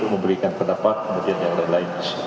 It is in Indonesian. memberikan pendapat kemudian yang lain lain